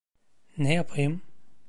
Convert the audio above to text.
Ne yapayım?